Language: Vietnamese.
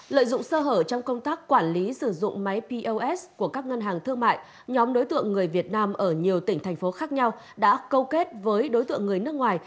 lợi dụng sơ hở trong công tác quản lý sử dụng máy pos của các ngân hàng thương mại nhóm đối tượng người việt nam ở nhiều tỉnh thành phố khác nhau đã câu kết với đối tượng người nước ngoài